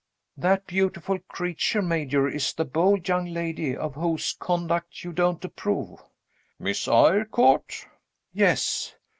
"That beautiful creature, Major, is the bold young lady of whose conduct you don't approve." "Miss Eyrecourt?" "Yes."